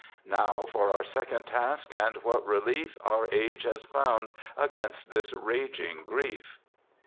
Now for our second task, and what relief Our age has found against this raging grief.